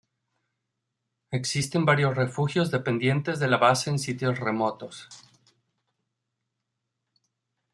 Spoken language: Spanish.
Existen varios refugios dependientes de la base en sitios remotos.